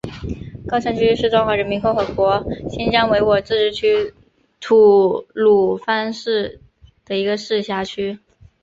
高昌区是中华人民共和国新疆维吾尔自治区吐鲁番市的一个市辖区。